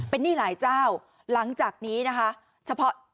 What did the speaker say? เป็นนี่หลายเจ้าหลังจากนี้นะคะ